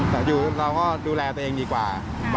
แต่อยู่เราก็ดูแลตัวเองดีกว่า